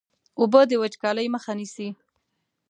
اوبه د وچکالۍ مخه نیسي.